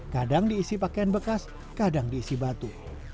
kadang diisi pakaian bekas kadang diisi batu